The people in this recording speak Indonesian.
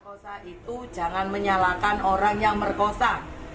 kosa itu jangan menyalahkan orang yang merkosa